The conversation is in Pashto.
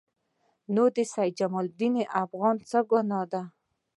نو د سید جمال الدین افغاني څه ګناه ده.